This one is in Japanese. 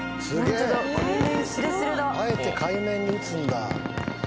あえて海面に打つんだ。